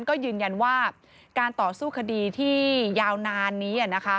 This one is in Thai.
ก็ยืนยันว่าการต่อสู้คดีที่ยาวนานนี้